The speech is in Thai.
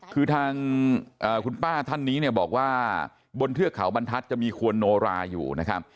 คือทางคุณป้าท่านนี้เนี่ยบอกว่าบนเทือกเขาบรรทัศน์จะมีควนโนราอยู่นะครับ